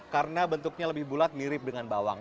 karena bentuknya lebih bulat mirip dengan bawang